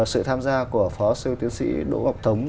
sự tham gia của phó sư tiến sĩ đỗ ngọc thống